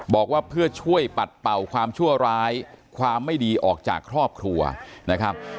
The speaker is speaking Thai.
บอกว่าเพื่อช่วยปัดเป่าความชั่วร้ายความไม่ดีออกจากครอบครัวนะครับ